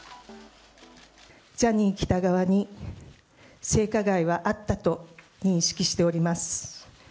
ジャニー喜多川に性加害はあったと認識しております。